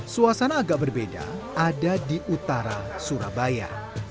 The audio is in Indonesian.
suasana agak berbeda ada di utara surabaya